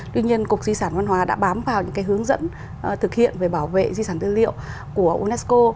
tuy nhiên cục di sản văn hóa đã bám vào những hướng dẫn thực hiện về bảo vệ di sản tư liệu của unesco